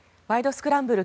スクランブル」